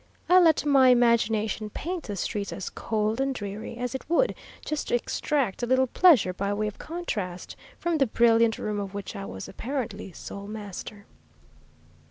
I let my imagination paint the streets as cold and dreary as it would, just to extract a little pleasure by way of contrast from the brilliant room of which I was apparently sole master.